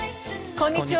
こんにちは。